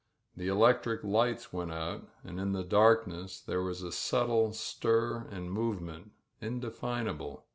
The electric lights went out and in the darkness there was a subtle stir and movement, indefina ble.